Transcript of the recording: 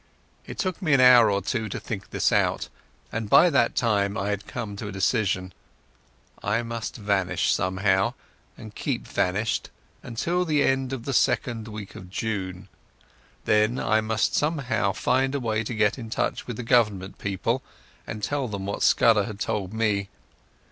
It took me an hour or two to think this out, and by that time I had come to a decision. I must vanish somehow, and keep vanished till the end of the second week in June. Then I must somehow find a way to get in touch with the Government people and tell them what Scudder had told me.